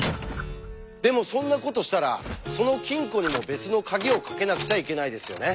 でもそんなことしたらその金庫にも別の鍵をかけなくちゃいけないですよね。